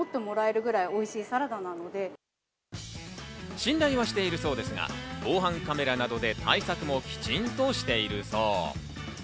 信頼はしているそうですが、防犯カメラなどで対策もきちんとしているそう。